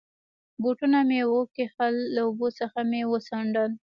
بوټونه مې و کښل، له اوبو څخه مې و څنډل.